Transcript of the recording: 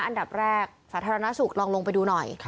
อันดับแรกสาธารณสุขลองลงไปดูหน่อย